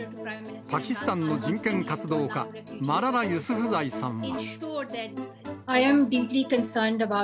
パキスタンの人権活動家、マララ・ユスフザイさんは。